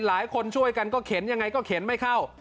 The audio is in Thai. หลายคนช่วยกันก็เข็นยังไงก็เข็นไม่เข้า